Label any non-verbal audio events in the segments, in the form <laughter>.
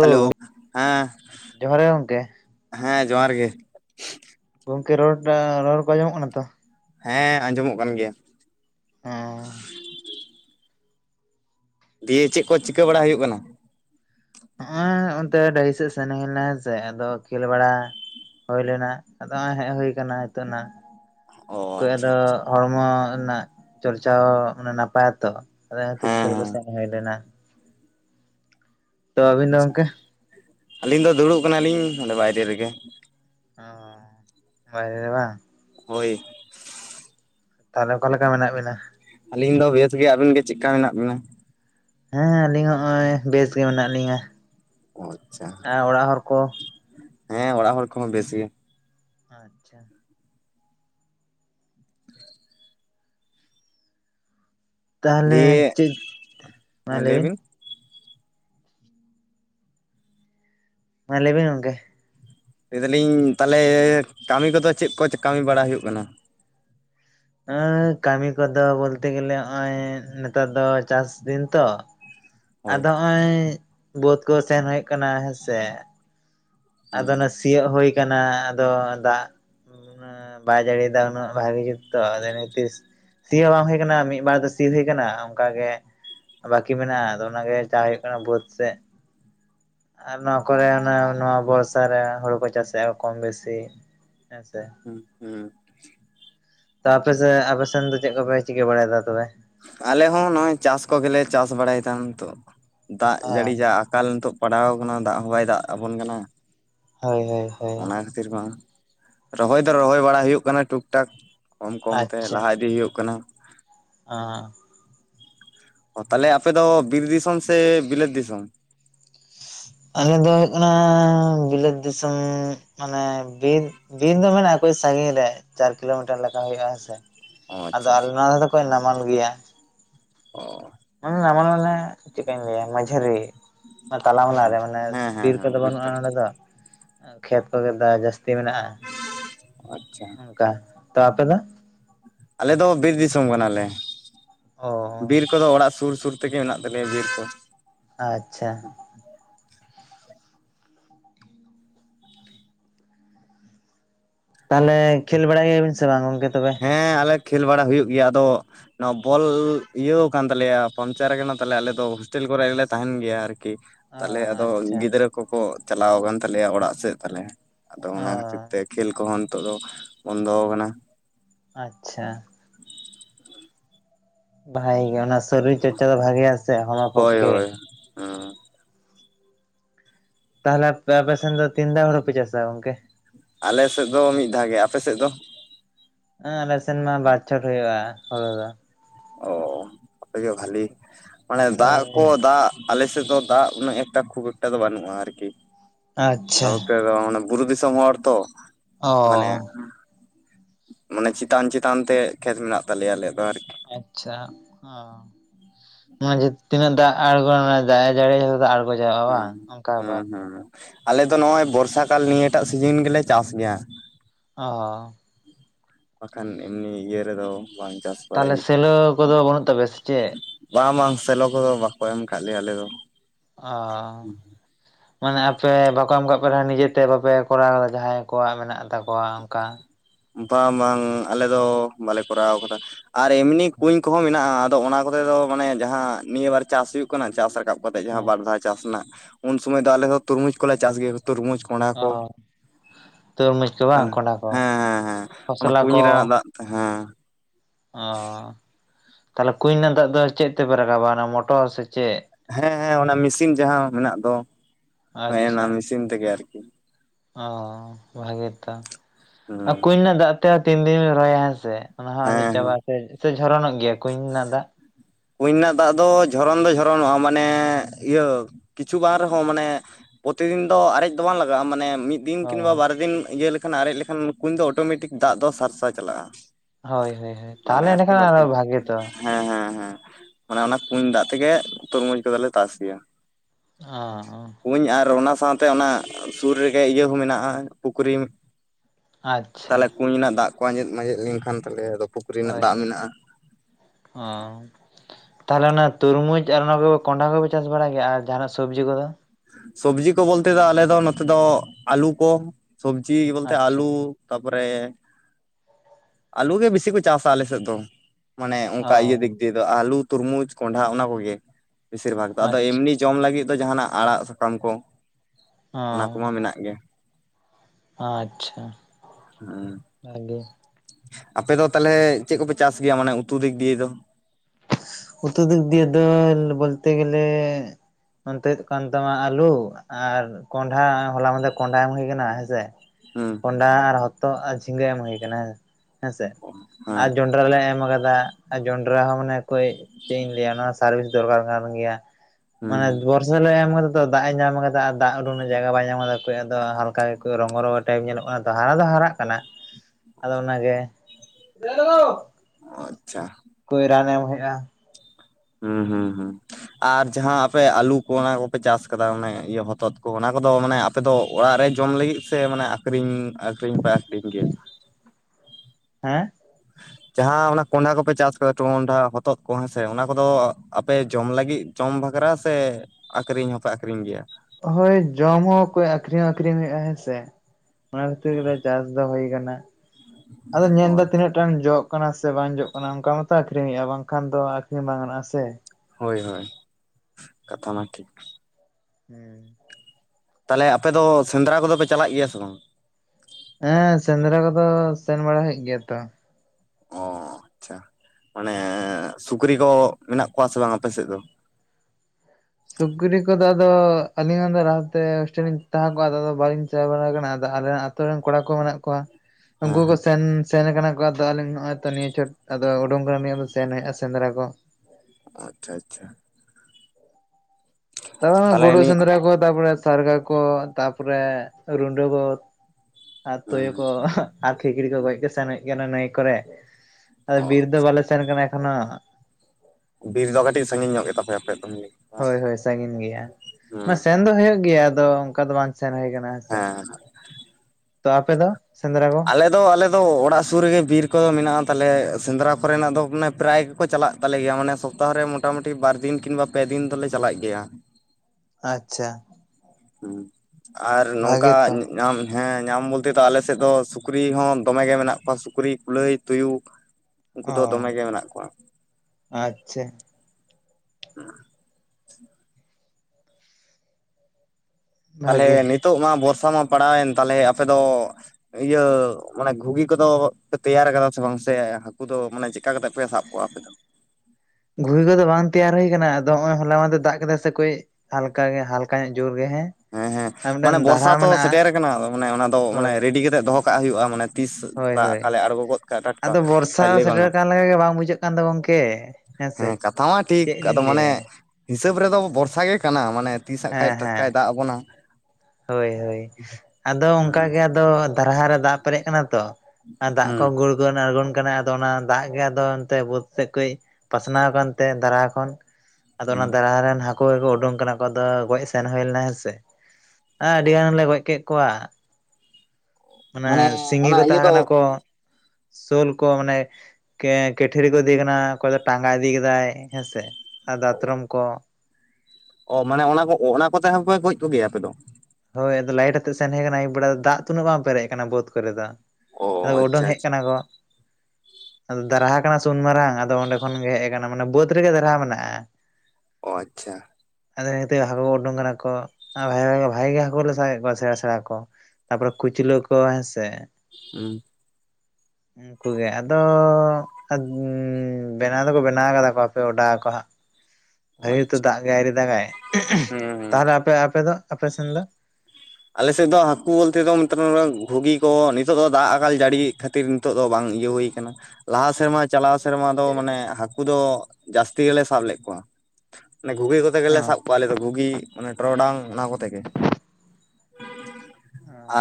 Hello ᱦᱮᱸ ᱡᱚᱦᱟᱨ ᱜᱮ ᱜᱚᱝᱠᱮ ᱦᱮᱸ ᱡᱚᱦᱟᱨ ᱜᱮ, ᱜᱚᱝᱠᱮ ᱨᱚᱲᱴᱟᱜ ᱨᱚᱲ ᱠᱚ ᱟᱸᱡᱚᱢᱚᱜ ᱠᱟᱱᱟ ᱛᱚ᱾ ᱦᱮᱸ ᱟᱸᱡᱚᱢᱚᱜ ᱠᱟᱱ ᱜᱮᱭᱟ᱾ <inaudible> ᱫᱤᱭᱮ ᱪᱮᱫ ᱠᱚ ᱪᱤᱠᱟᱹ ᱵᱟᱲᱟ ᱦᱩᱭᱩᱜ ᱠᱟᱱᱟ? ᱦᱚᱜ ᱚᱭ ᱚᱱᱛᱮ ᱰᱟᱹᱦᱤ ᱥᱮᱫ ᱥᱮᱱ ᱦᱩᱭ ᱞᱮᱱᱟ, ᱦᱮᱸ ᱥᱮ ᱟᱫᱚ ᱠᱷᱮᱞ ᱵᱟᱲᱟ ᱦᱩᱭ ᱞᱮᱱᱟ, ᱟᱫᱚ ᱦᱮᱡ ᱦᱩᱭ ᱟᱠᱟᱱᱟ ᱱᱤᱛᱚᱜ ᱱᱟ᱾ ᱚ ᱦᱳᱭ ᱟᱪᱪᱷᱟ ᱟᱫᱚ ᱟᱪᱪᱷᱟ ᱦᱚᱲᱢᱚ ᱨᱮᱱᱟᱜ ᱪᱚᱨᱪᱟ ᱱᱟᱯᱟᱭᱟ ᱛᱚ᱾ ᱟᱱᱟ ᱠᱷᱟᱹᱛᱤᱨ ᱦᱮᱸ ᱠᱷᱮᱞ ᱠᱚ ᱦᱮᱸ ᱥᱮᱱ ᱦᱩᱭ ᱞᱮᱱᱟ᱾ ᱛᱚ ᱟᱵᱤᱱ ᱫᱚ ᱜᱚᱝᱠᱮ? ᱟᱹᱞᱤᱧ ᱫᱚ ᱫᱩᱲᱩᱵ ᱠᱟᱱᱟᱞᱤᱧ᱾ ᱚᱸᱰᱮ ᱵᱟᱭᱨᱮ ᱨᱮᱜᱮ ᱚᱸᱻ ᱵᱟᱭᱨᱮ ᱵᱟ ᱦᱳᱭ ᱛᱟᱦᱞᱮ ᱚᱠᱟᱞᱮ ᱞᱮᱠᱟ ᱢᱮᱱᱟᱜ ᱵᱤᱱᱟ? ᱟᱹᱞᱤᱧ ᱫᱚ ᱵᱮᱥ ᱜᱮ ᱟᱹᱵᱤᱱ ᱜᱮ ᱪᱮᱫᱠᱟ ᱢᱮᱱᱟᱜ ᱵᱤᱱᱟ? ᱦᱮᱸ ᱟᱹᱞᱤᱧ ᱦᱚᱸᱜ ᱚᱭ ᱵᱮᱥ ᱜᱮ ᱢᱮᱱᱟᱜ ᱞᱤᱧᱟ᱾ ᱚ ᱟᱪᱪᱷᱟ᱾ ᱮ ᱚᱲᱟᱜ ᱦᱚᱲ ᱠᱚ? ᱦᱮᱸ ᱚᱲᱟᱜ ᱦᱚᱲ ᱠᱚᱦᱚ ᱵᱮᱥ ᱜᱮ᱾ ᱟᱪᱪᱷᱟ ᱾ ᱛᱟᱦᱚᱞᱮ ᱫᱤᱭᱮ ᱪᱮᱫ ᱢᱟ ᱦᱮᱸ ᱞᱟᱹᱭ ᱞᱮᱵᱤᱱ? ᱵᱤᱱ ᱢᱟ ᱞᱟᱹᱭ ᱵᱤᱱ ᱜᱚᱝᱠᱮ? ᱞᱟᱹᱭ ᱫᱟᱞᱤᱧ ᱛᱟᱞᱦᱮ ᱠᱟᱹᱢᱤ ᱠᱚᱫᱚ ᱪᱮᱫ ᱠᱚ ᱠᱟᱹᱢᱤ ᱵᱟᱲᱟ ᱦᱳᱭᱳᱜ ᱠᱟᱱᱟ? ᱮᱸᱻ ᱠᱟᱹᱢᱤ ᱠᱚᱫᱚ ᱵᱚᱞᱛᱮ ᱜᱮᱞᱮ ᱱᱚᱜᱼᱚᱭ ᱱᱮᱛᱟᱨ ᱫᱚ ᱪᱟᱥ ᱫᱤᱱ ᱛᱚ ᱾ <inaudible> ᱟᱫᱚ ᱱᱚᱜᱼᱚᱭ ᱵᱟᱹᱫᱽ ᱠᱚ ᱥᱮᱱ ᱦᱩᱭᱩᱜ ᱠᱟᱱᱟ ᱦᱮᱸ ᱥᱮ ᱟᱫᱚ ᱦᱩᱸ ᱚᱱᱟ ᱥᱤᱭᱚᱜ ᱦᱳᱭ ᱠᱟᱱᱟ ᱟᱫᱚ ᱫᱟᱜᱼᱼ ᱩᱱᱟᱹᱜ ᱵᱟᱭ ᱡᱟᱲᱤᱭᱮᱫᱟ ᱩᱱᱟᱹᱜ ᱵᱷᱟᱜᱤ ᱡᱩᱛ ᱛᱚ ᱟᱫᱚ ᱤᱱᱟᱹ ᱠᱷᱟᱛᱤᱨᱼᱼ ᱥᱤ ᱦᱚᱸ ᱵᱟᱝ ᱦᱩᱭ ᱠᱟᱱᱟ ᱢᱤᱫᱵᱟᱨ ᱫᱚ ᱥᱤ ᱦᱳᱭ ᱠᱟᱱᱟ ᱟᱨ ᱚᱱᱠᱟᱜ ᱜᱮ ᱵᱟᱠᱤ ᱢᱮᱱᱟᱜᱼᱟ ᱟᱫᱚ ᱚᱱᱟᱜᱮ ᱪᱟ ᱦᱳᱭᱳᱜ ᱠᱟᱱᱟ ᱵᱟᱹᱫᱽ ᱥᱮᱫ ᱾ ᱟᱨ ᱱᱚᱣᱟ ᱠᱚᱨᱮ ᱱᱚᱣᱟ ᱵᱚᱨᱥᱟ ᱨᱮ ᱦᱩᱲᱩ ᱠᱚ ᱪᱟᱥᱮᱫᱼᱟ ᱠᱚᱢ ᱵᱮᱥᱤ ᱦᱮᱸᱥᱮ ᱾ <unintelligible> ᱛᱚ ᱟᱯᱮᱥᱮᱫ ᱟᱯᱮᱥᱮᱱ ᱫᱚ ᱪᱮᱫ ᱠᱚᱯᱮ ᱪᱤᱠᱟᱹ ᱵᱟᱲᱟᱭᱮᱫᱟ ᱛᱚᱵᱮ? ᱟᱞᱮ ᱦᱚᱸ ᱱᱚᱜᱼᱚᱭ ᱪᱟᱥ ᱠᱚᱜᱮᱞᱮ ᱪᱟᱥ ᱵᱟᱲᱟᱭᱮᱫᱟ ᱱᱤᱛᱚᱜ ᱫᱟᱜ ᱡᱟᱹᱲᱤ ᱚ ᱡᱟ ᱟᱠᱟᱞ ᱱᱤᱛᱚᱜ ᱯᱟᱲᱟᱣ ᱟᱠᱟᱱᱟ ᱫᱟᱜ ᱦᱚᱸ ᱵᱟᱭ ᱫᱟᱜ ᱟᱵᱚᱱ ᱠᱟᱱᱟ ᱾ ᱦᱳᱭ ᱦᱳᱭ ᱾ ᱚᱱᱟ ᱠᱷᱟᱹᱛᱤᱨ ᱢᱟ ᱨᱚᱦᱚᱭ ᱫᱚ ᱨᱚᱦᱚᱭ ᱵᱟᱲᱟ ᱦᱩᱭᱩᱜ ᱠᱟᱱᱟ ᱴᱩᱠ ᱴᱟᱠ ᱾ ᱠᱚᱢ ᱠᱚᱢᱛᱮ ᱟᱪᱪᱷᱟ ᱞᱟᱦᱟ ᱤᱫᱤ ᱦᱩᱭᱩᱜ ᱠᱟᱱᱟ ᱾ <unintelligible> ᱚ ᱛᱟᱦᱚᱞᱮ ᱟᱯᱮ ᱫᱚ ᱵᱤᱨ ᱫᱤᱥᱚᱢ ᱥᱮ ᱵᱤᱞᱟᱹᱛ ᱫᱤᱥᱚᱢ? ᱟᱞᱮ ᱫᱚ ᱦᱩᱭᱩᱜ ᱠᱟᱱᱟ ᱵᱤᱞᱟᱹᱛ ᱫᱤᱥᱚᱢ ᱢᱟᱱᱮ ᱵᱤᱨ ᱵᱤᱨ ᱫᱚ ᱢᱮᱱᱟᱜᱼᱟ ᱠᱟᱹᱡᱽ ᱥᱟᱺᱜᱤᱧ ᱨᱮ ᱪᱟᱨ ᱠᱤᱞᱳᱢᱤᱴᱟᱨ ᱞᱮᱠᱟ ᱦᱩᱭᱩᱜᱼᱟ ᱦᱮᱸᱥᱮ ᱚ ᱾ ᱟᱫᱚ ᱟᱪᱪᱷᱟ ᱟᱠᱮ ᱟᱪᱪᱷᱟ ᱱᱚᱣᱟ ᱫᱷᱟᱨᱮ ᱫᱚᱠᱚ ᱱᱟᱢᱟᱞ ᱜᱮᱭᱟ ᱾ ᱚ ᱾ <unintelligible> ᱱᱟᱢᱟᱞ ᱢᱟᱱᱮ ᱪᱮᱫ ᱠᱟᱹᱧ ᱞᱟᱹᱭᱟ ᱢᱟᱹᱡᱷᱟᱹᱨᱤ ᱾ ᱛᱟᱞᱟ ᱢᱟᱞᱟ ᱚ ᱨᱮ ᱢᱟᱱᱮ ᱦᱮᱸ ᱦᱮᱸ ᱵᱤᱨ ᱦᱮᱸ ᱠᱚᱫᱚ ᱵᱩᱡ ᱵᱟᱹᱱᱩᱜᱼᱟ ᱱᱚᱸᱰᱮ ᱫᱟᱲᱮᱭᱟᱜ ᱫᱚ? ᱠᱷᱮᱛ ᱠᱚᱜᱮ ᱫᱟ ᱡᱟᱹᱥᱛᱤ ᱢᱮᱱᱟᱜᱼᱟ ᱟᱪᱪᱷᱟ ᱚᱱᱠᱟ ᱛᱚ ᱟᱯᱮ ᱫᱚ? ᱟᱞᱮ ᱫᱚ ᱵᱤᱨ ᱫᱤᱥᱚᱢ ᱠᱟᱱᱟᱞᱮ ᱚ ᱵᱤᱨ ᱠᱚᱫᱚ ᱚᱲᱟᱜ ᱥᱩᱨ ᱥᱩᱨ ᱛᱮᱜᱮ ᱢᱮᱱᱟᱜ ᱛᱟᱞᱮᱭᱟ ᱵᱤᱨ ᱠᱚ ᱾ ᱟᱪᱪᱷᱟ ᱾ ᱛᱟᱦᱞᱮ ᱦᱮᱸ ᱟᱞᱮ ᱠᱷᱮᱞ ᱵᱟᱲᱟ ᱦᱩᱭᱩᱜ ᱜᱮᱭᱟ ᱟᱫᱚ ᱱᱚᱣᱟ ᱵᱚᱞ ᱤᱭᱟᱹᱣ ᱠᱟᱱ ᱛᱟᱞᱮᱭᱟ ᱯᱟᱢᱪᱟᱨ ᱠᱟᱱᱟ ᱛᱟᱦᱚᱞᱮ ᱟᱞᱮ ᱫᱚ ᱦᱳᱥᱴᱮᱞ ᱠᱚᱨᱮᱜᱮᱞᱮ ᱛᱟᱦᱮᱱ ᱜᱮᱭᱟ ᱟᱨᱠᱤ ᱚ ᱛᱟᱦᱚᱞᱮ ᱟᱫᱚ ᱟᱪᱪᱷᱟ ᱜᱤᱫᱽᱨᱟᱹ ᱠᱚᱠᱚ ᱪᱟᱞᱟᱣ ᱟᱠᱟᱱ ᱛᱟᱞᱮᱭᱟ ᱚᱲᱟᱜ ᱥᱮᱫ ᱛᱟᱞᱮ ᱟᱫᱚ ᱚᱱᱟ ᱚ ᱠᱷᱟᱹᱛᱤᱨ ᱛᱮ ᱠᱷᱮᱞ ᱠᱚᱦᱚᱸ ᱱᱤᱛᱚᱜ ᱫᱚ ᱵᱚᱱᱫᱚ ᱟᱠᱟᱱᱟ ᱾ ᱟᱪᱪᱷᱟ ᱾ ᱵᱷᱟᱜ ᱜᱮ ᱚᱱᱟ ᱥᱟᱨᱤᱨ ᱪᱚᱨᱪᱟ ᱫᱚ ᱵᱷᱟᱜᱮ ᱟᱥᱮ ᱦᱚᱲᱢᱚ ᱦᱳᱭ ᱯᱚᱠᱠᱷᱮ ᱾ ᱦᱳᱭ ᱦᱩᱸ ᱛᱟᱦᱚᱞᱮ ᱟᱯᱮᱥᱮᱱ ᱫᱚ ᱛᱤᱱ ᱫᱷᱟᱣ ᱦᱩᱲᱩ ᱯᱮ ᱪᱟᱥᱼᱟ ᱜᱚᱝᱠᱮ? ᱟᱞᱮ ᱥᱮᱫ ᱫᱚ ᱢᱤᱫ ᱫᱷᱟᱣ ᱜᱮ ᱾ ᱟᱯᱮ ᱥᱮᱫ ᱫᱚ? ᱮᱸ ᱟᱞᱮ ᱥᱮᱱᱢᱟ ᱵᱟᱨ ᱪᱷᱚᱴ ᱦᱩᱭᱩᱜᱼᱟ ᱦᱩᱲᱩ ᱫᱚ ᱾ ᱚ ᱟᱯᱮᱜᱮ ᱵᱷᱟᱞᱮ ᱢᱟᱱᱮ ᱫᱟᱜ ᱦᱳᱭ ᱠᱚ ᱫᱟᱜ ᱟᱞᱮ ᱥᱮᱫ ᱫᱚ ᱫᱟᱜ ᱩᱱᱟᱹᱜ ᱮᱠᱴᱟ ᱠᱷᱩᱵ ᱮᱠᱴᱟ ᱫᱚ ᱵᱟᱹᱱᱩᱜᱼᱟ ᱟᱨᱠᱤ ᱟᱪᱪᱷᱟ <unintelligible> ᱵᱩᱨᱩ ᱫᱤᱥᱚᱢ ᱦᱚᱲ ᱛᱚ ᱚ ᱢᱟᱱᱮ ᱢᱟᱱᱮ ᱪᱮᱛᱟᱱ ᱪᱮᱛᱟᱱ ᱛᱮ ᱠᱷᱮᱛ ᱢᱮᱱᱟᱜ ᱛᱟᱞᱮᱭᱟ ᱟᱞᱮᱭᱟᱜ ᱫᱚ ᱟᱨᱠᱤ ᱾ ᱟᱪᱪᱷᱟ ᱚᱻ ᱾ ᱤᱱᱟᱹ ᱛᱤᱱᱟᱹᱜ ᱫᱟᱜ ᱟᱬᱜᱚᱱᱟ ᱫᱟᱜ ᱮ ᱡᱟᱹᱲᱤᱭ ᱡᱚᱛᱚ ᱟᱬᱜᱚ ᱪᱟᱵᱟᱜᱼᱟ ᱵᱟᱝ ᱚᱱᱠᱟ ᱵᱮᱯᱟᱨ ᱦᱚᱸ ᱾ ᱟᱞᱮ ᱫᱚ ᱱᱚᱜᱼᱚᱭ ᱵᱚᱨᱥᱟ ᱠᱟᱞ ᱱᱤᱭᱟᱹᱴᱟᱜ ᱥᱤᱡᱤᱱ ᱜᱮᱞᱮ ᱪᱟᱥ ᱜᱮᱭᱟ ᱾ ᱚᱻ ᱾ ᱵᱟᱠᱷᱟᱱ ᱮᱢᱱᱤ ᱤᱭᱟᱹ ᱨᱮᱫᱚ ᱵᱟᱝ ᱪᱟᱥ ᱵᱟᱲᱟᱭ ᱛᱟᱦᱚᱞᱮ ᱦᱩᱭᱩᱜ ᱜᱮᱭᱟ᱾ ᱥᱮᱞᱚ ᱠᱚᱫᱚ ᱵᱟᱹᱱᱩᱜ ᱛᱟᱯᱮᱭᱟ ᱥᱮ ᱪᱮᱫ? ᱵᱟᱝ ᱵᱟᱝ ᱥᱮᱞᱚ ᱠᱚᱫᱚ ᱵᱟᱠᱚ ᱮᱢ ᱟᱠᱟᱫ ᱞᱮᱭᱟ ᱟᱞᱮ ᱫᱚ᱾ ᱟᱻ <inaudible> ᱢᱟᱱᱮ ᱟᱯᱮ ᱵᱟᱠᱚ ᱮᱢ ᱠᱟᱜ ᱯᱮ ᱨᱮ ᱱᱤᱡᱮᱛᱮ ᱵᱟᱯᱮ ᱠᱚᱨᱟᱣ ᱫᱟ ᱡᱟᱦᱟᱸᱭ ᱠᱚᱣᱟᱜ ᱢᱮᱱᱟᱜ ᱛᱟᱠᱚᱣᱟ ᱚᱱᱠᱟ᱾ ᱵᱟ ᱵᱟᱝ ᱟᱞᱮ ᱫᱚ ᱵᱟᱞᱮ ᱠᱚᱨᱟᱣ ᱠᱟᱫᱟ᱾ ᱟᱨ ᱮᱢᱱᱤ ᱠᱩᱧ ᱠᱚᱦᱚᱸ ᱢᱮᱱᱟᱜᱼᱟ᱾ ᱟᱫᱚ ᱚᱱᱟ ᱠᱚᱛᱮ ᱫᱚ ᱢᱟᱱᱮ ᱡᱟᱦᱟᱸ ᱱᱤᱭᱟᱹ ᱵᱟᱨ ᱪᱟᱥ ᱦᱩᱭᱩᱜ ᱠᱟᱱᱟ ᱪᱟᱥ ᱨᱟᱠᱟᱵ ᱡᱟᱦᱟᱸ ᱦᱮᱸ ᱵᱟᱨ ᱫᱷᱟᱣ ᱪᱟᱥ ᱱᱟᱜ ᱩᱱ ᱥᱚᱢᱚᱭ ᱫᱚ ᱟᱞᱮ ᱦᱚᱸ ᱛᱩᱨᱢᱩᱡᱽ ᱠᱚᱞᱮ ᱪᱟᱥ ᱜᱮᱭᱟ ᱛᱩᱨᱢᱩ ᱠᱚᱸᱰᱦᱟ ᱚ ᱠᱚ ᱛᱩᱨᱢᱩᱡᱽ ᱠᱚ ᱵᱟᱝ ᱟᱞᱮ ᱠᱚᱸᱰᱷᱟ ᱠᱚ ᱦᱮᱸ ᱦᱮᱸ᱾ ᱦᱮᱸ ᱚᱱᱟ ᱠᱷᱚᱥᱞᱟ ᱠᱩᱧ ᱠᱚ ᱨᱮᱱᱟᱜ ᱫᱟᱜ ᱛᱮ ᱦᱮᱸ᱾ ᱚ ᱛᱟᱦᱞᱮ ᱠᱩᱧ ᱨᱮᱱᱟᱜ ᱫᱟᱜ ᱫᱚ ᱪᱮᱫ ᱛᱮᱯᱮ ᱨᱟᱠᱟᱵᱟ ᱚᱱᱟ ᱢᱚᱴᱚᱨ ᱥᱮ ᱪᱮᱫ? ᱦᱮᱸ ᱦᱮᱸ ᱚᱱᱟ ᱢᱮᱥᱤᱱ ᱡᱟᱦᱟᱸ ᱢᱮᱱᱟᱜ ᱫᱚ ᱦᱳᱭ ᱚᱱᱟ ᱟᱪᱪᱷᱟ ᱢᱮᱥᱤᱱ ᱛᱮᱜᱮ ᱟᱨᱠᱤ᱾ ᱚ ᱵᱷᱟᱜᱤ ᱛᱚ ᱟᱨ ᱦᱮᱸ ᱠᱩᱧ ᱨᱮᱱᱟᱜ ᱫᱟᱜ ᱛᱮᱦᱚᱸ ᱛᱤᱱ ᱫᱤᱱᱮᱢ ᱨᱚᱦᱚᱭᱟ ᱦᱮᱸᱥᱮ? ᱚᱱᱟ ᱦᱚᱸ ᱟᱸᱡᱮᱫ ᱦᱮᱸ ᱦᱮᱸ ᱪᱟᱵᱟᱜ ᱥᱮ, ᱥᱮ ᱡᱷᱚᱨᱚᱱᱚᱜ ᱜᱮᱭᱟ ᱠᱩᱧ ᱨᱮᱱᱟᱜ ᱫᱟᱜ? ᱠᱩᱧ ᱨᱮᱱᱟᱜ ᱫᱟᱜ ᱫᱚ ᱡᱷᱚᱨᱚᱱ ᱫᱚ ᱡᱷᱚᱨᱚᱱᱚᱜᱼᱟ᱾ ᱢᱟᱱᱮ ᱤᱭᱟᱹ ᱠᱤᱪᱷᱩ ᱵᱟᱝ ᱨᱮᱦᱚᱸ ᱢᱟᱱᱮ ᱯᱨᱚᱛᱤᱫᱤᱱ ᱫᱚ ᱟᱨᱮᱡ ᱫᱚ ᱵᱟᱝ ᱞᱟᱜᱟᱜᱼᱟ ᱢᱟᱱᱮ ᱢᱤᱫ ᱫᱤᱱ ᱚ ᱠᱤᱢᱵᱟ ᱵᱟᱨ ᱫᱤᱱ ᱤᱭᱟᱹ ᱞᱮᱠᱷᱟᱱ ᱟᱨᱮᱡ ᱞᱮᱠᱷᱟᱱ ᱠᱩᱧ ᱫᱚ ᱚᱴᱳᱢᱮᱴᱤᱠ ᱫᱟᱜ ᱫᱚ ᱥᱟᱨᱥᱟ ᱪᱟᱞᱟᱜᱼᱟ᱾ ᱦᱳᱭ ᱦᱳᱭ ᱦᱳᱭ ᱢᱟᱱᱮ ᱛᱟᱦᱚᱞᱮ ᱟᱨᱠᱤ ᱮᱸᱰᱮᱠᱷᱟᱱ ᱟᱨᱚ ᱵᱟᱹᱲᱛᱤ ᱵᱷᱟᱜᱮ ᱛᱚ᱾ ᱦᱮᱸ ᱦᱮᱸ ᱦᱮᱸ ᱢᱟᱱᱮ ᱚᱱᱟ ᱠᱩᱧ ᱫᱟᱜ ᱛᱮᱜᱮ ᱛᱩᱨᱢᱩᱡᱽ ᱠᱚᱫᱚᱞᱮ ᱛᱟᱥ ᱜᱮᱭᱟ᱾ ᱚ-ᱚ᱾ ᱠᱩᱧ ᱟᱨ ᱚᱱᱟ ᱥᱟᱶᱛᱮ ᱚᱱᱟ ᱥᱩᱨ ᱨᱮᱜᱮ ᱤᱭᱟᱹ ᱦᱚᱸ ᱢᱮᱱᱟᱜᱼᱟ ᱯᱩᱠᱷᱨᱤ᱾ ᱟᱪᱪᱷᱟ ᱛᱟᱦᱚᱞᱮ ᱠᱩᱸᱧ ᱨᱮᱱᱟᱜ ᱫᱟᱜ ᱠᱚ ᱟᱸᱡᱮᱫ ᱢᱟᱸᱡᱮᱫ ᱞᱮᱱᱠᱷᱟᱱ ᱛᱟᱦᱚᱞᱮ ᱦᱳᱭ ᱦᱳᱭ ᱚ ᱛᱟᱦᱚᱞᱮ ᱚᱱᱟ ᱛᱩᱨᱢᱩᱡᱽ ᱟᱨ ᱚᱱᱟ ᱠᱚ ᱠᱚᱸᱰᱦᱟ ᱠᱚᱯᱮ ᱪᱟᱥ ᱵᱟᱲᱟᱭ ᱜᱮᱭᱟ ᱟᱨ ᱡᱟᱦᱟᱱᱟᱜ ᱥᱚᱵᱽᱡᱤ ᱠᱚᱫᱚ? ᱥᱚᱵᱽᱡᱤ ᱠᱚ ᱵᱚᱞᱛᱮ ᱫᱚ ᱟᱞᱮ ᱫᱚ ᱱᱚᱛᱮ ᱫᱚ ᱟᱞᱩ ᱠᱚ ᱥᱚᱵᱽᱡᱤ ᱵᱚᱞᱛᱮ ᱟᱪᱪᱷᱟ ᱟᱞᱩ ᱛᱟᱯᱚᱨᱮ ᱟᱹᱞᱩ ᱜᱮ ᱵᱮᱥᱤ ᱠᱚ ᱪᱟᱥᱟ ᱟᱞᱮ ᱥᱮᱫ ᱫᱚ ᱢᱟᱱᱮ ᱚ ᱚᱱᱠᱟ ᱤᱭᱟᱹ ᱫᱤᱠ ᱫᱤᱭᱮ ᱫᱚ ᱟᱞᱩ ᱛᱩᱨᱢᱩᱡᱽ ᱠᱚᱱᱰᱷᱟ ᱚᱱᱟ ᱠᱚᱜᱮ ᱵᱮᱥᱤᱨ ᱵᱷᱟᱜ ᱫᱚ ᱟᱫᱚ ᱟᱪᱪᱷᱟ ᱮᱢᱱᱤ ᱡᱚᱢ ᱞᱟᱹᱜᱤᱫ ᱫᱚ ᱡᱟᱦᱟᱱᱟᱜ ᱟᱲᱟᱜ ᱥᱟᱠᱟᱢ ᱠᱚ ᱚᱱᱟ ᱠᱚᱢᱟ ᱚ ᱢᱮᱱᱟᱜ ᱜᱮ ᱾ ᱟᱪᱪᱷᱟ ᱵᱷᱟᱜᱤ ᱟᱯᱮ ᱫᱚ ᱛᱟᱞᱦᱮ ᱪᱮᱫ ᱠᱚᱯᱮ ᱪᱟᱥ ᱜᱮᱭᱟ ᱢᱟᱱᱮ ᱩᱛᱩ ᱫᱤᱠ ᱫᱤᱭᱮ ᱫᱚ ᱩᱛᱩ ᱫᱤᱠ ᱫᱤᱭᱮ ᱫᱚ ᱵᱚᱞᱛᱮ ᱜᱮᱞᱮ ᱚᱱᱛᱮ ᱦᱩᱭᱩᱜ ᱠᱟᱱ ᱛᱟᱢᱟ ᱟᱞᱩ ᱟᱨ ᱠᱚᱱᱰᱷᱟ ᱦᱚᱞᱟ ᱢᱟᱫᱷᱮᱨ ᱠᱚᱱᱰᱷᱟ ᱮᱢ ᱦᱩᱭ ᱠᱟᱱᱟ ᱦᱮᱸ ᱥᱮ ᱦᱩᱸ ᱠᱚᱱᱰᱷᱟ ᱟᱨ ᱦᱚᱛᱚᱫ ᱟᱨ ᱡᱷᱤᱸᱜᱟᱹ ᱮᱢ ᱦᱩᱭ ᱠᱟᱱᱟ ᱦᱮᱸ ᱦᱮᱸ ᱥᱮ ᱦᱮᱸ ᱟᱨ ᱡᱚᱱᱰᱨᱟ ᱞᱮ ᱮᱢ ᱠᱟᱫᱟ ᱟᱨ ᱡᱚᱱᱰᱨᱟ ᱦᱚᱸ ᱢᱟᱱᱮ ᱦᱳᱭ ᱪᱮᱫ ᱤᱧ ᱞᱟᱹᱭᱟ ᱚᱱᱟ ᱦᱚᱸ ᱥᱟᱨᱵᱷᱤᱥ ᱫᱚᱨᱠᱟᱨ ᱠᱟᱱ ᱜᱮᱭᱟ ᱦᱩᱸ ᱢᱟᱱᱮ ᱵᱚᱨᱥᱟ ᱮᱢ ᱠᱟᱫᱟ ᱛᱚ ᱫᱟᱜ ᱮ ᱧᱟᱢ ᱟᱠᱟᱫᱟ ᱟᱨ ᱫᱟᱜ ᱩᱰᱩᱝ ᱡᱟᱭᱜᱟ ᱵᱟᱭ ᱧᱟᱢ ᱟᱠᱟᱫᱟ ᱟᱫᱚ ᱦᱟᱞᱠᱟ ᱜᱮᱠᱚ ᱨᱚᱝᱜᱚ ᱨᱚᱝᱜᱚ ᱴᱟᱭᱤᱯ ᱧᱮᱞᱚᱜ ᱠᱟᱱᱟ ᱛᱚ ᱦᱟᱨᱟ ᱫᱚ ᱦᱟᱨᱟᱜ ᱠᱟᱱᱟ ᱾ <inaudible> ᱟᱫᱚ ᱚᱱᱟ ᱜᱮ <inaudible> ᱟᱪᱪᱷᱟ ᱠᱚᱭ ᱨᱟᱱ ᱮᱢ ᱦᱩᱭᱩᱜ-ᱟ ᱾ ᱦᱩᱸ ᱦᱩᱸ ᱦᱩᱸ᱾ ᱟᱨ ᱡᱟᱦᱟᱸ ᱟᱯᱮ ᱟᱞᱩ ᱠᱚ ᱚᱱᱟ ᱠᱚᱯᱮ ᱪᱟᱥ ᱠᱟᱫᱟ ᱚᱱᱮ ᱤᱭᱟᱹ ᱦᱚᱛᱚᱫ ᱠᱚ ᱚᱱᱟ ᱠᱚᱫᱚ ᱢᱟᱱᱮ, ᱟᱯᱮᱫᱚ ᱚᱲᱟᱜ ᱨᱮ ᱡᱚᱢ ᱞᱟᱹᱜᱤᱫ ᱥᱮ ᱢᱟᱱᱮ ᱟᱠᱷᱨᱤᱧ ᱟᱹᱠᱷᱨᱤᱧ ᱯᱮ ᱟᱠᱷᱨᱤᱧ ᱜᱮᱭᱟ? ᱦᱮᱸ, ᱡᱟᱦᱟᱸ ᱚᱱᱟ ᱠᱚᱸᱰᱷᱟ ᱠᱚᱯᱮ ᱪᱟᱥ ᱟᱠᱟᱫᱟ ᱴᱚᱦᱚᱱᱰᱟ ᱦᱚᱛᱚᱫ ᱠᱚ ᱦᱮᱸᱥᱮ ᱚᱱᱟ ᱠᱚᱫᱚ ᱟᱯᱮ ᱡᱚᱢ ᱞᱟᱹᱜᱤᱫ? ᱪᱚᱢ ᱵᱟᱠᱷᱨᱟ ᱥᱮ ᱟᱠᱷᱨᱤᱧ ᱦᱚᱸᱯᱮ ᱟᱠᱷᱨᱤᱧ ᱜᱮᱭᱟ? ᱦᱳᱭ ᱡᱚᱢ ᱦᱚᱸ, ᱚᱠᱚᱭ ᱟᱹᱠᱷᱨᱤᱧ ᱦᱚᱸ ᱟᱹᱠᱷᱨᱤᱧ ᱦᱩᱭᱩᱜᱼᱟ ᱦᱮᱸ ᱥᱮ᱾ ᱚᱱᱟ ᱠᱷᱟᱹᱛᱤᱨ ᱜᱮ ᱫᱚ ᱪᱟᱥ ᱫᱚ ᱦᱩᱭ ᱟᱠᱟᱱᱟ᱾ ᱟᱫᱚ ᱧᱮᱞ ᱫᱚ ᱦᱳᱭ ᱛᱤᱱᱟᱹᱜ, <inaudible> ᱡᱚᱜ ᱠᱟᱱᱟ ᱥᱮ ᱵᱟᱝ ᱡᱚᱜ ᱠᱟᱱᱟ ᱚᱱᱠᱟ ᱢᱟᱛᱚ ᱟᱹᱠᱷᱨᱤᱧ ᱦᱩᱭᱩᱜᱼᱟ ᱵᱟᱝᱠᱷᱟᱱ ᱫᱚ ᱟᱹᱠᱷᱨᱤᱧ ᱵᱟᱝ ᱜᱟᱱᱚᱜᱼᱟ ᱥᱮ, ᱦᱳᱭ ᱦᱳᱭ ᱠᱟᱛᱷᱟ ᱢᱟ ᱴᱷᱤᱠ ᱜᱮᱭᱟ ᱦᱮᱸ᱾ ᱛᱟᱞᱦᱮ ᱟᱯᱮ ᱫᱚ ᱥᱮᱸᱫᱽᱨᱟ ᱠᱚᱫᱚ ᱯᱮ ᱪᱟᱞᱟᱜ ᱜᱮᱭᱟ ᱥᱮ ᱵᱟᱝ? ᱦᱮᱸ, ᱥᱮᱸᱫᱽᱨᱟ ᱠᱚᱫᱚ ᱥᱮᱱ ᱵᱟᱲᱟ ᱦᱳᱭᱳᱜ ᱜᱮᱭᱟ ᱛᱚ᱾ ᱚᱸ ᱟᱪᱪᱷᱟ ᱢᱟᱱᱮ ᱥᱩᱠᱨᱤ ᱠᱚ ᱢᱮᱱᱟᱜ ᱠᱚᱣᱟ ᱥᱮ ᱵᱟᱝ ᱟᱯᱮ ᱥᱮᱫ ᱫᱚ? ᱥᱩᱠᱨᱤ ᱠᱚᱫᱚ ᱟᱫᱚ ᱟᱹᱞᱤᱧᱫᱚ ᱞᱟᱦᱟᱛᱮ ᱦᱳᱥᱴᱮᱞ ᱞᱤᱧ ᱛᱟᱦᱮᱸ ᱠᱚᱜᱼᱟ ᱟᱫᱚ ᱵᱟᱹᱞᱤᱧ ᱪᱟᱞᱟᱣ ᱵᱟᱲᱟ ᱟᱠᱟᱱᱟ ᱟᱫᱚ ᱟᱞᱮᱨᱮᱱ, ᱟᱛᱩ ᱨᱮᱱ ᱠᱚᱲᱟ ᱠᱚ ᱢᱮᱱᱟᱜ ᱠᱚᱣᱟ, <inaudible> ᱩᱱᱠᱩ ᱠᱚ ᱥᱮᱱ, ᱥᱮᱱ ᱠᱟᱱᱟ ᱠᱚ ᱟᱫᱚ ᱟᱞᱤᱧ ᱦᱚᱸᱜᱼᱚᱭ ᱛᱚ ᱱᱤᱭᱟᱹ ᱪᱷᱚᱴ ᱟᱫᱚ ᱩᱰᱩᱝ ᱠᱟᱱᱟ ᱞᱤᱧ ᱟᱫᱚ ᱥᱮᱱ ᱦᱩᱭᱩᱜ-ᱟ ᱥᱮᱸᱫᱽᱨᱟ ᱠᱚ, ᱟᱪᱪᱷᱟ ᱟᱪᱪᱷᱟ᱾ <inaudible> ᱛᱟᱦᱚᱞᱮ ᱜᱩᱰᱩ ᱱᱤᱭᱟᱹ ᱥᱮᱸᱫᱽᱨᱟ ᱠᱚ ᱛᱯᱚᱨᱮ ᱥᱟᱨᱜᱟ ᱠᱚ ᱛᱟᱯᱚᱨᱮ ᱨᱩᱱᱰᱟᱹ ᱠᱚ᱾ ᱟᱨ ᱛᱳᱭᱳ ᱦᱩᱸ ᱠᱚ ᱟᱨ ᱠᱷᱤᱠᱲᱤ ᱠᱚ ᱜᱚᱡᱽ ᱠᱚ ᱥᱮᱱ ᱦᱩᱭᱩᱜ ᱜᱮᱭᱟ ᱚᱱᱟ ᱱᱟᱹᱭ ᱠᱚᱨᱮ᱾ ᱟᱨ ᱚ ᱵᱤᱨ ᱫᱚ ᱵᱟᱞᱮ ᱥᱮᱱ ᱟᱠᱟᱱᱟ ᱮᱠᱷᱚᱱ ᱦᱚᱸ᱾ ᱵᱤᱨ ᱫᱚ ᱠᱟᱹᱴᱤᱡ ᱥᱟᱺᱜᱤᱧ ᱧᱚᱜ ᱜᱮ ᱛᱟᱯᱮ ᱟᱯᱮ ᱫᱚᱢ ᱦᱳᱭ ᱦᱳᱭ ᱥᱟᱺᱜᱤᱧ ᱜᱮᱭᱟ, ᱥᱮᱱ ᱫᱚ ᱦᱩᱭᱩᱜ ᱜᱮᱭᱟ ᱟᱫᱚ ᱚᱱᱠᱟ ᱫᱚ ᱵᱟᱝ ᱥᱮᱱ ᱦᱩᱭ ᱟᱠᱟᱱᱟ᱾ ᱦᱮᱸ ᱛᱚ ᱟᱯᱮ ᱫᱚ ᱥᱮᱸᱫᱽᱨᱟ ᱠᱚ? ᱟᱞᱮᱫᱚ ᱟᱞᱮᱫᱚ ᱚᱲᱟᱜ ᱥᱩᱨ ᱨᱮᱜᱮ ᱵᱤᱨ ᱠᱚᱫᱚ ᱢᱮᱱᱟᱜᱼᱟ ᱛᱟᱞᱮ ᱥᱮᱸᱫᱽᱨᱟ ᱠᱚᱨᱮᱱᱟᱜ ᱫᱚ ᱢᱟᱱᱮ ᱯᱨᱟᱭ, ᱠᱚ ᱪᱟᱞᱟᱜ ᱛᱟᱞᱮ ᱜᱮᱭᱟ᱾ ᱢᱟᱱᱮ ᱥᱚᱯᱛᱟᱦ ᱨᱮ ᱢᱚᱴᱟᱢᱩᱴᱤ ᱵᱟᱨ ᱫᱤᱱ ᱠᱤᱱᱵᱟ ᱯᱮ ᱫᱤᱱ ᱫᱚᱞᱮ ᱪᱟᱞᱟᱜ ᱜᱮᱭᱟ᱾ ᱟᱪᱪᱷᱟ᱾ ᱦᱩᱸ ᱟᱨ ᱱᱚᱝᱠᱟ ᱵᱷᱟᱜᱮ ᱛᱚ ᱧᱟᱢ, ᱦᱮᱸ ᱧᱟᱢ ᱵᱚᱞᱛᱮ ᱫᱚ ᱟᱞᱮᱥᱮᱫ ᱫᱚ ᱥᱩᱠᱨᱤ ᱦᱚᱸ ᱫᱚᱢᱮ ᱜᱮ ᱢᱮᱱᱟᱜ ᱠᱚᱣᱟ ᱥᱩᱠᱨᱤ ᱠᱩᱞᱟᱹᱭ ᱛᱩᱭᱩ᱾ ᱩᱱᱠᱩ ᱚ ᱫᱚ ᱫᱚᱢᱮ ᱜᱮ ᱢᱮᱱᱟᱜ ᱠᱚᱣᱟ᱾ ᱟᱪᱪᱷᱟ᱾ <inaudible> ᱛᱟᱞᱦᱮ ᱵᱷᱟᱜᱮ ᱱᱤᱛᱚᱜ ᱢᱟ ᱵᱚᱨᱥᱟ ᱢᱟ ᱯᱟᱲᱟᱣᱮᱱ ᱛᱟᱞᱦᱮ ᱟᱯᱮ ᱫᱚ, ᱤᱭᱟᱹ ᱢᱟᱱᱮ ᱜᱷᱩᱜᱤ ᱠᱚᱫᱚ ᱯᱮ ᱛᱮᱭᱟᱨ ᱠᱟᱫᱟ ᱥᱮ ᱵᱟᱝ? ᱥᱮ ᱦᱟᱹᱠᱩ ᱫᱚ ᱢᱟᱱᱮ ᱪᱮ ᱪᱮᱠᱟ ᱠᱟᱛᱮ ᱯᱮ ᱥᱟᱵ ᱠᱚᱣᱟ ᱟᱯᱮ ᱫᱚ? ᱜᱷᱩᱨᱤ ᱠᱚᱫᱚ ᱵᱟᱝ ᱛᱮᱭᱟᱨ ᱦᱩᱭ ᱟᱠᱟᱱᱟ ᱟᱫᱚ ᱦᱚᱸᱜ ᱚᱭ ᱦᱚᱞᱟ ᱢᱟᱫᱮᱨ ᱫᱟᱜ ᱠᱮᱫᱟ ᱥᱮ ᱠᱚᱭᱼᱼ ᱦᱟᱞᱠᱟ ᱜᱮ ᱦᱟᱞᱠᱟ ᱧᱚᱜ ᱡᱳᱨ ᱜᱮ ᱦᱮᱸ ᱦᱮᱸ ᱦᱮᱸ ᱟᱨ ᱢᱤᱫᱴᱮᱱ ᱢᱟᱱᱮ ᱵᱚᱨᱥᱟ ᱫᱟᱨᱦᱟ ᱛᱚ ᱢᱮᱱᱟᱜᱼᱟ ᱥᱮᱴᱮᱨ ᱟᱠᱟᱱᱟ ᱢᱟᱱᱮ ᱚᱱᱟ ᱫᱚ ᱢᱟᱱᱮ ᱦᱳᱭ ᱨᱮᱰᱤ ᱠᱟᱛᱮᱜ ᱫᱚᱦᱚ ᱠᱟᱜ ᱦᱩᱭᱩᱜᱼᱟ ᱢᱟᱱᱮ, ᱛᱤᱥ ᱦᱳᱭ ᱫᱟᱜ ᱦᱳᱭ ᱟᱠᱟᱞᱮ ᱟᱲᱜᱚ ᱜᱚᱫ ᱠᱟᱜ-ᱟ ᱴᱟᱴᱠᱟ ᱠᱷᱟᱡ ᱞᱟᱹᱭ ᱵᱟᱝᱟ᱾ ᱞᱮ ᱜᱮ ᱵᱟᱝ ᱵᱩᱡᱷᱟᱹᱜ ᱠᱟᱱ ᱫᱚ ᱜᱚᱝᱠᱮ᱾ ᱦᱮᱸᱥᱮ ᱦᱮᱸ ᱠᱟᱛᱷᱟ ᱢᱟ ᱴᱷᱤᱠ ᱪᱮᱫ ᱟᱫᱚ ᱞᱤᱧ ᱢᱟᱱᱮ, ᱞᱟᱹᱭᱟ ᱦᱤᱥᱟᱹᱵᱽ ᱨᱮᱫᱚ ᱵᱷᱚᱨᱥᱟ ᱜᱮ ᱠᱟᱱᱟ ᱢᱟᱱᱮ ᱛᱤᱥᱟᱸᱜ ᱠᱷᱟᱡ ᱦᱮᱸ ᱦᱮᱸ ᱴᱟᱴᱠᱟᱭ ᱫᱟᱜ ᱟᱵᱚᱱᱟ᱾ ᱦᱳᱭ ᱦᱳᱭ, ᱟᱫᱚ ᱚᱱᱠᱟ ᱦᱮᱸ ᱜᱮ ᱟᱫᱚ ᱫᱷᱟᱨᱦᱟ ᱨᱮ ᱫᱟᱜ ᱯᱮᱨᱮᱡ ᱟᱠᱟᱱᱟ ᱛᱚ᱾ ᱟᱨ ᱫᱟᱜ ᱦᱮᱸ ᱠᱚ ᱜᱩᱲ ᱜᱟᱹᱱ ᱟᱬᱜᱳᱚᱱ ᱠᱟᱱᱟ ᱟᱫᱚ ᱚᱱᱟ ᱫᱟᱜ ᱜᱮ ᱟᱫᱚ ᱚᱱᱛᱮ ᱵᱟᱹᱫ ᱥᱮᱫ ᱠᱷᱚᱡ ᱯᱟᱥᱱᱟᱣ ᱟᱠᱟᱱᱛᱮ ᱫᱟᱨᱦᱟ ᱠᱷᱚᱱ, ᱟᱫᱚ ᱚᱱᱟ ᱦᱮᱸ ᱫᱟᱨᱦᱟ ᱨᱮᱱ ᱦᱟᱹᱠᱩ ᱜᱮᱠᱚ ᱩᱰᱩᱝ ᱠᱟᱱᱟ ᱠᱚ ᱟᱫᱚ ᱜᱚᱡ ᱥᱮᱱ ᱦᱩᱭ ᱞᱮᱱᱟ ᱦᱮᱸᱥᱮ᱾ ᱦᱮᱸ ᱟᱹᱰᱤ ᱜᱟᱱ ᱞᱮ ᱜᱚᱡ ᱠᱮᱫ ᱠᱚᱣᱟ᱾ ᱢᱟᱱᱮ ᱥᱤᱸᱜᱤ ᱚᱱᱟ ᱠᱚ ᱤᱭᱟᱹ ᱛᱟᱦᱮᱸ ᱫᱚ ᱠᱟᱱᱟ ᱠᱚ᱾ ᱥᱳᱞ ᱠᱚ ᱢᱟᱱᱮ ᱠᱮ ᱠᱮᱴᱷᱤᱨᱤ ᱠᱚ ᱤᱫᱤᱭ ᱠᱟᱱᱟ‌ ᱠᱚᱭ ᱫᱚ ᱴᱟᱸᱜᱟ ᱤᱫᱤ‌ ᱠᱟᱫᱟᱭ᱾ ᱮ ᱦᱮᱸ ᱥᱮ ᱟᱨ ᱫᱟᱛᱨᱚᱢ ᱠᱚ᱾ ᱚ ᱢᱟᱱᱮ ᱚᱱᱟ ᱠᱚ ᱚᱱᱟ ᱠᱚᱛᱮ ᱦᱚᱸᱯᱮ ᱜᱚᱡ ᱠᱚᱜᱮᱭᱟ ᱟᱯᱮ ᱫᱚ? ᱦᱳᱭ ᱟᱫᱚ ᱞᱟᱭᱤᱴ ᱟᱛᱮᱜ ᱥᱮᱱ ᱦᱩᱭ ᱠᱟᱱᱟ ᱟᱹᱭᱩᱵ ᱵᱮᱲᱟ ᱫᱚ ᱫᱟᱜ ᱛᱚ ᱩᱱᱟᱹᱜ ᱵᱟᱝ ᱯᱮᱨᱮᱡ ᱟᱠᱟᱱᱟ ᱵᱟᱹᱛᱷ ᱠᱚᱨᱮ ᱫᱚ᱾ ᱚ ᱟᱫᱚ ᱟᱪᱪᱷᱟ ᱚᱰᱚᱝ ᱦᱮᱡ ᱟᱪᱪᱷᱟ ᱠᱟᱱᱟ ᱠᱚ᱾ <inaudible> ᱫᱟᱨᱦᱟ ᱠᱟᱱᱟ ᱥᱮ ᱩᱱ ᱢᱟᱨᱟᱝ ᱟᱫᱚ ᱚᱸᱰᱮ ᱠᱷᱚᱱ ᱜᱮ ᱦᱮᱡ ᱟᱠᱟᱱᱟ ᱢᱟᱱᱮ ᱵᱟᱹᱛᱷ ᱨᱮᱜᱮ ᱫᱟᱨᱦᱟ ᱢᱮᱱᱟᱜ-ᱟ᱾ ᱚ ᱟᱪᱪᱷᱟ᱾ ᱟᱫᱚ ᱮ ᱦᱤᱸᱛᱩᱜ ᱦᱟᱠᱩ ᱩᱰᱩᱝ ᱠᱟᱱᱟ ᱠᱚ ᱱᱟ ᱵᱷᱟᱜᱮ ᱜᱮ ᱵᱟ ᱵᱷᱟᱜᱮ ᱜᱮ ᱦᱟᱹᱠᱩ ᱞᱮ ᱥᱟᱵᱮᱫ ᱠᱚᱣᱟ ᱥᱮ ᱟᱥᱬᱟ ᱠᱚ ᱛᱟᱯᱚᱨᱮ ᱠᱩᱪᱞᱟᱹ ᱠᱚ ᱦᱮᱸᱥᱮ᱾ ᱩᱸ᱾ ᱮᱸ ᱩᱱᱠᱩᱩ ᱜᱮ ᱟᱫᱚ ᱟᱫᱽ ᱵᱮᱱᱟᱣ ᱫᱚᱠᱚ ᱵᱮᱱᱟᱣ ᱠᱟᱫᱟ ᱠᱚ ᱟᱯᱮ ᱚᱰᱟᱣ ᱠᱚ ᱦᱟᱸᱜ᱾ ᱚ ᱵᱷᱟᱜᱤ ᱜᱮ ᱱᱤᱛᱩᱜ ᱟᱪᱪᱷᱟ ᱫᱟᱜ ᱜᱮ ᱟᱣᱨᱤ ᱫᱟᱜᱟᱭ ᱦᱩᱸ ᱦᱩᱸ ᱛᱟᱦᱚᱞᱮ ᱟᱯᱮ ᱟᱯᱮ ᱫᱚ ᱟᱯᱮ ᱥᱮᱱ ᱫᱚ? ᱟᱞᱮ ᱥᱮᱜ ᱫᱚ ᱦᱟᱠᱩ ᱵᱩᱞᱛᱮ ᱫᱚ ᱢᱚ ᱱᱚᱛᱮ ᱚ ᱜᱩᱜᱤ ᱠᱚ ᱱᱤᱛᱚᱜ ᱫᱚ ᱫᱟᱜ ᱟᱠᱟᱞ ᱡᱟᱲᱤ ᱠᱷᱟ ᱛᱤᱨ ᱱᱤᱛᱚᱜ ᱫᱚ ᱵᱟᱝ ᱤᱭᱟᱹ ᱦᱩᱭ ᱟᱠᱟᱱᱟ ᱞᱟᱦᱟ ᱥᱮᱨᱢᱟ ᱪᱟᱞᱟᱣ ᱥᱮ ᱥᱮᱨᱢᱟ ᱫᱚ ᱢᱟᱱᱮ ᱦᱟᱠᱩ ᱫᱚ ᱡᱟᱹᱥᱛᱤ ᱜᱮᱞᱮ ᱥᱟᱵ ᱞᱮᱜ ᱠᱚᱣᱟ ᱢᱟᱱᱮ ᱜᱷᱩᱜᱤ ᱠᱚᱛᱮ ᱚ ᱜᱮᱞᱮ ᱚ ᱥᱟᱵ ᱟᱞᱮ ᱫᱚ ᱜᱩᱜᱤ ᱢᱟᱱᱮ ᱴᱚᱨᱚ ᱰᱟᱝ ᱚᱱᱟ ᱠᱚᱛᱮ ᱜᱮ᱾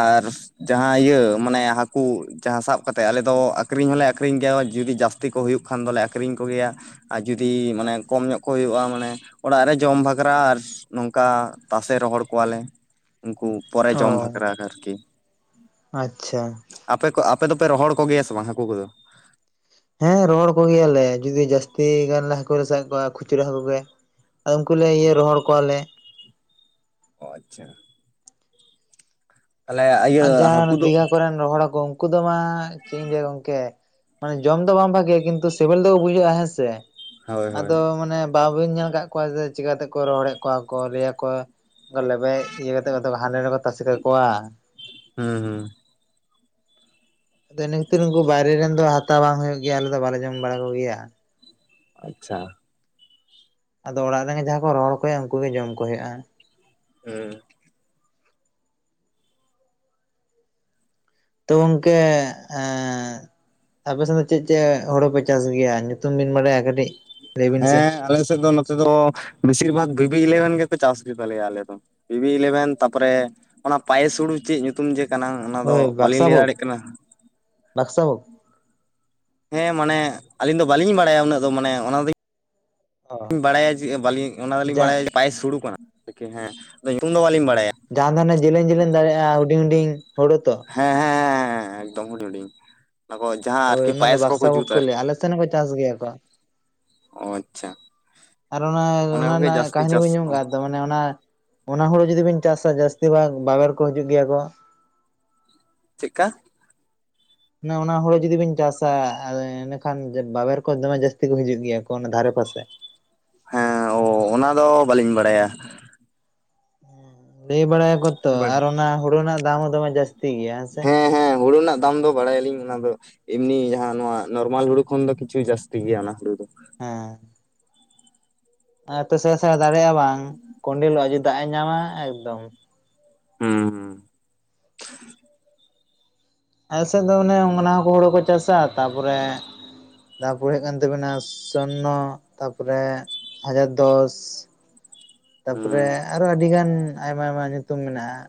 ᱟᱨ ᱡᱟᱦᱟᱸ ᱤᱭᱟᱹ ᱢᱟᱱᱮ ᱦᱟᱠᱩ ᱡᱟᱦᱟᱸ ᱥᱟᱵ ᱠᱟᱛᱮᱜ ᱟᱞᱮ ᱫᱚ ᱟᱠᱨᱤᱧ ᱦᱚᱸᱞᱮ ᱟᱠᱷᱨᱤᱧ ᱜᱮᱭᱟ ᱡᱩᱫᱤ ᱡᱟᱥ ᱛᱤ ᱠᱚ ᱦᱩᱭᱩᱜ ᱠᱷᱟᱱ ᱫᱚᱞᱮ ᱟᱠᱷᱨᱤᱧ ᱠᱚᱜᱮᱭᱟ ᱟᱨ ᱡᱩᱫᱤ ᱢᱟᱱᱮ ᱠᱚ ᱟᱪᱪᱷᱟ ᱧᱚᱜ ᱠᱚ ᱦᱩᱭᱩᱜ-ᱟ ᱢᱟᱱᱮ ᱚᱲᱟᱜ ᱨᱮ ᱡᱚᱢ ᱵᱟᱠᱷᱨᱟ ᱟᱨᱥ ᱱᱚᱝᱠᱟ ᱛᱟᱥᱮ ᱨᱚᱦᱚᱲ ᱠᱚᱣᱟᱞᱮ᱾ ᱩᱱᱠᱩ ᱯᱚᱨᱮ ᱚ ᱡᱚᱢ ᱵᱟᱠᱷᱨᱟ ᱟᱠᱟᱨ ᱠᱤ᱾ ᱟᱪᱪᱷᱟ᱾ ᱟᱯᱮ ᱠᱚ ᱟᱯᱮ ᱫᱚ ᱯᱮ ᱨᱚᱦᱚᱲ ᱠᱚ ᱜᱮᱭᱟ ᱥᱮ ᱵᱟᱝ ᱦᱟᱠᱩ ᱠᱩ ᱫᱚ? ᱦᱮᱸ ᱨᱚᱲ ᱠᱚ ᱜᱮᱭᱟ ᱞᱮ ᱡᱩᱫᱤ ᱡᱟᱹᱥᱛᱤ ᱜᱟᱱ ᱞᱮ ᱦᱟᱠᱩ ᱞᱮ ᱥᱟᱵ ᱠᱚᱣᱟ ᱠᱷᱩᱪᱨᱟᱹ ᱦᱟᱸᱠᱩ ᱜᱮ᱾ ᱟᱨ ᱩᱱᱠᱩ ᱞᱮ ᱤᱭᱟᱹ ᱨᱚᱦᱚᱲ ᱠᱚᱣᱟᱞᱮ᱾ ᱚ ᱟᱪᱪᱷᱟ᱾ ᱛᱟᱦᱚᱞᱮ ᱟᱨ ᱤᱭᱟᱹ ᱡᱟᱦᱟᱸ ᱦᱟᱹᱠᱩ ᱫᱚ ᱱᱟᱹᱫᱤᱜᱷᱟ ᱠᱚᱨᱮᱱ ᱨᱚᱦᱚᱲ ᱦᱟᱹᱠᱚ ᱩᱝᱠᱩ ᱫᱚ ᱢᱟ ᱪᱮᱜ ᱤᱧ ᱞᱟᱹᱭᱟ ᱜᱚᱝᱠᱮ ᱢᱟᱱᱮ ᱡᱚᱢ ᱫᱚ ᱵᱟᱝ ᱵᱷᱟᱜᱮᱭᱟ ᱠᱤᱱᱛᱩ ᱥᱤᱵᱤᱞ ᱫᱚ ᱵᱩᱡᱷᱟᱹᱜ-ᱟ ᱦᱮᱸ ᱥᱮ᱾ ᱦᱳᱭ ᱦᱳᱭ ᱟᱫᱚ ᱢᱟᱱᱮ ᱵᱟᱵᱟᱤᱱ ᱧᱮᱞ ᱠᱟᱜ ᱠᱚᱣᱟ ᱡᱮ ᱪᱤᱠᱟ ᱛᱮᱠᱚ ᱨᱚᱦᱚᱲᱮᱜ ᱠᱚᱣᱟ ᱠᱚ ᱞᱟᱹᱭᱟ ᱠᱚ᱾ ᱚᱱᱠᱟ ᱞᱮᱵᱮᱡ ᱤᱭᱟᱹ ᱠᱟᱛᱮᱜ ᱦᱟᱱᱰᱮ ᱱᱟᱱᱰᱮ ᱠᱚ ᱛᱟᱥᱮ ᱠᱟᱠᱚᱣᱟ᱾ ᱦᱩᱸ ᱦᱩᱸ᱾ ᱟᱫᱚ ᱤᱱᱟᱹ ᱠᱷᱟᱹᱛᱤᱨ ᱩᱱᱠᱩ ᱵᱟᱭᱨᱮ ᱨᱮᱱ ᱫᱚ ᱦᱟᱛᱟᱣ ᱵᱟᱝ ᱦᱩᱭᱩᱜ ᱜᱮᱭᱟ ᱟᱞᱮ ᱫᱚ ᱵᱟᱞᱮ ᱡᱚᱢ ᱵᱟᱲᱟ ᱠᱚ ᱜᱮᱭᱟ᱾ ᱟᱪᱪᱷᱟ᱾ ᱟᱫᱚ ᱚᱲᱟᱜ ᱨᱮᱱ ᱜᱮ ᱡᱟᱦᱟᱸ ᱠᱚ ᱨᱚᱦᱚᱲ ᱦᱚ ᱠᱚᱭᱟ ᱩᱱᱠᱩ ᱜᱮ ᱡᱚᱢ ᱠᱚ ᱦᱩᱭᱩᱜ-ᱟ᱾ ᱩᱸ ᱛᱚ ᱜᱚᱝᱠᱮ ᱮᱸᱜ ᱟᱯᱮ ᱥᱮᱱ ᱫᱚ ᱪᱮᱜ ᱪᱮᱜ ᱦᱩᱲᱩ ᱯᱮ ᱪᱟᱥ ᱜᱮᱭᱟ ᱧᱩᱛᱩᱢ ᱵᱤᱱ ᱵᱟᱲᱟᱭᱟ ᱠᱟᱹᱴᱤᱡ? ᱞᱟᱹᱭ ᱵᱤᱱ ᱥᱮ ᱦᱮᱸ ᱟᱞᱮ ᱥᱮᱜ ᱫᱚ ᱱᱚᱛᱮ ᱫᱚ ᱵᱮᱥᱤᱨ ᱵᱷᱟᱜᱽ ᱵᱷᱤᱵᱤ ᱞᱤᱭᱟᱱ ᱜᱮᱠᱚ ᱪᱟᱥ ᱜᱮ ᱛᱟᱞᱮᱭᱟ ᱟᱞᱮ ᱫᱚ᱾ ᱵᱤᱵᱤ ᱤᱞᱮᱵᱷᱮᱱ ᱛᱟᱯᱚᱨᱮ ᱚᱱᱟ ᱯᱟᱭᱮᱥ ᱦᱩᱲᱩ ᱪᱮᱜ ᱧᱩᱛᱩᱢ ᱡᱮ ᱠᱟᱱᱟ ᱚᱱᱟ ᱫᱚ ᱵᱟᱞᱤᱧ ᱞᱟᱹᱭ ᱫᱟᱲᱮᱜ ᱠᱟᱱᱟ᱾ ᱵᱟᱠᱥᱟᱣ᱾ ᱦᱮᱸ ᱢᱟᱱᱮ ᱟᱞᱤᱧ ᱫᱚ ᱵᱟᱞᱤᱧ ᱵᱟᱲᱟᱭᱟ ᱩᱱᱟᱹᱜ ᱫᱚ ᱢᱟᱱᱮ ᱚᱱᱟ ᱫᱩᱧ ᱚ ᱩᱸ ᱵᱟᱲᱟᱭᱟ ᱡᱮ ᱵᱟᱞᱤᱧ ᱚᱱᱟ ᱫᱚᱞᱤᱧ ᱡᱟᱜ ᱵᱟᱲᱟᱭᱟ ᱡᱮ ᱯᱟᱭᱮᱥ ᱦᱩᱲᱩ ᱠᱟᱱᱟ ᱟᱨᱠᱤ ᱦᱮᱸ ᱟᱫᱚ ᱧᱩᱛᱩᱢ ᱫᱚ ᱵᱟᱞᱤᱧ ᱵᱟᱲᱟᱭᱟ᱾ ᱡᱟᱦᱟᱸ ᱫᱷᱟᱱᱮ ᱡᱮᱞᱮᱧ ᱡᱮᱞᱮᱧ ᱫᱟᱲᱮᱜ-ᱟ ᱦᱩᱰᱤᱧ ᱦᱩᱰᱤᱧ ᱦᱳᱲᱩ ᱛᱚ᱾ ᱦᱮᱸ ᱦᱮᱸ ᱦᱮᱸ ᱦᱮᱸ ᱮᱠᱫᱚᱢ ᱦᱩᱰᱤᱧ ᱦᱩᱰᱤᱧ ᱚᱱᱟ ᱠᱚ ᱡᱟᱦᱟᱸ ᱟᱨᱠᱤ ᱫᱚ ᱯᱟᱭᱮᱥ ᱠᱚᱠᱚ ᱵᱟᱠᱥᱟ ᱵᱷᱳᱜᱽ ᱡᱩᱛᱟ ᱟᱨᱠᱤ᱾ ᱞᱟᱹᱭᱟ ᱟᱞᱮ ᱛᱮ ᱚᱱᱟ ᱠᱚ ᱪᱟᱥ ᱜᱮᱭᱟ ᱠᱚ᱾ ᱚ ᱟᱪᱪᱷᱟ ᱟᱨ ᱚᱱᱟ ᱚᱱᱟ ᱠᱚᱜᱮ ᱨᱮᱱᱟᱜ ᱡᱟᱹᱥᱛᱤ ᱠᱟᱦᱱᱤ ᱪᱟᱥ ᱵᱤᱱ ᱧᱚᱢ ᱠᱚ ᱠᱟᱜ ᱛᱚ ᱢᱟᱱᱮ ᱚᱱᱟ ᱚᱱᱟ ᱦᱩᱲᱩ ᱡᱩᱫᱤ ᱵᱤᱱ ᱪᱟᱥᱟ ᱡᱟᱹᱥᱛᱤ ᱵᱷᱟᱜ ᱵᱟᱵᱮᱨ ᱠᱚ ᱦᱤᱡᱩᱜ ᱜᱮᱭᱟ ᱠᱚ᱾ ᱪᱤᱜ ᱠᱟ? ᱢᱟᱱᱮ ᱚᱱᱟ ᱦᱩᱲᱩ ᱡᱩᱫᱤ ᱵᱤᱱ ᱪᱟᱥᱟ ᱟᱫᱚ ᱮᱸᱰᱮᱠᱷᱟᱱ ᱵᱟᱵᱮᱨ ᱠᱚ ᱫᱚᱢᱮ ᱡᱟᱹᱥᱛᱤ ᱠᱚ ᱦᱤᱡᱩᱜ ᱜᱮᱭᱟ ᱠᱚ ᱚᱱᱟ ᱫᱷᱟᱨᱮ ᱯᱟᱥᱮ᱾ ᱦᱮᱸ ᱚᱸ ᱚᱱᱟ ᱫᱚ ᱵᱟᱹᱞᱤᱧ ᱵᱟᱲᱟᱭᱟ᱾ ᱞᱟᱹᱭ ᱵᱟᱲᱟᱭᱟᱠᱚ ᱛᱚ ᱟᱨ ᱚᱱᱟ ᱦᱩᱲᱩ ᱨᱮᱱᱟᱜ ᱫᱟᱢ ᱦᱚᱸ ᱫᱚᱢᱮ ᱡᱟᱹᱥ ᱦᱮᱸ ᱦᱮᱸ ᱦᱩᱲᱩ ᱨᱮᱱᱟᱜ ᱫᱟᱢ ᱫᱚ ᱵᱟᱲᱟᱭᱟᱞᱤᱧ᱾ ᱚᱱᱟ ᱫᱚ ᱮᱢᱱᱤ ᱡᱟᱦᱟᱸ ᱱᱚᱣᱟ ᱱᱚᱨᱢᱟᱞ ᱦᱩᱲᱩ ᱠᱷᱚᱱ ᱫᱚ ᱠᱤᱪᱷᱩ ᱡᱟᱹᱥᱛᱤ ᱜᱮᱭᱟ, ᱚᱱᱟ ᱦᱩᱲᱩ ᱫᱚ᱾ ᱦᱮᱸᱻ ᱮᱛᱚ ᱥᱮᱻ ᱥᱮᱬᱟ ᱫᱟᱨᱮᱜ-ᱟ ᱵᱟᱝ ᱠᱚᱸᱰᱮᱞᱚᱜ-ᱟ ᱡᱩᱫᱤ ᱫᱟᱜ ᱮ ᱧᱟᱢᱟ ᱮᱠᱫᱚᱢ ᱦᱩᱸ ᱦᱩᱸ ᱟᱞᱮ ᱥᱮᱫ ᱫᱚ ᱚᱱᱮ ᱚᱱᱟ ᱱᱟᱠᱳ ᱦᱩᱲᱩ ᱠᱚ ᱪᱟᱥᱟ ᱛᱟᱨᱯᱚᱨᱮ ᱛᱟᱯᱚᱨᱮ ᱦᱩᱭᱩᱜ ᱠᱟᱱ ᱛᱟᱵᱮᱱᱟ ᱥᱚᱱᱱᱚ ᱛᱟᱯᱚᱨᱮ ᱦᱟᱡᱟᱨ ᱫᱚᱥ <inaudible> ᱦᱩᱸ ᱛᱟᱯᱚᱨᱮ ᱟᱨᱚ ᱟᱹᱰᱤ ᱜᱟᱱ ᱟᱭᱢᱟ ᱟᱭᱢᱟ ᱧᱩᱛᱩᱢ ᱢᱮᱱᱟᱜ-ᱟ᱾